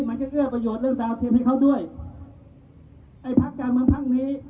มันก็เอื้อประโยชน์เรื่องดาวเทียมให้เขาด้วยไอ้พักการเมืองพักนี้